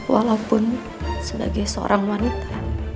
walaupun sebagai seorang wanita